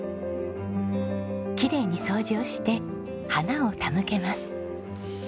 きれいに掃除をして花を手向けます。